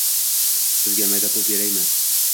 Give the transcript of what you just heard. Sizga mayda pul beraymi?